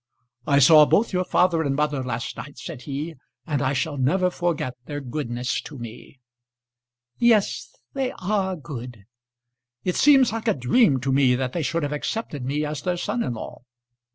"I saw both your father and mother last night," said he, "and I shall never forget their goodness to me." "Yes, they are good." "It seems like a dream to me that they should have accepted me as their son in law."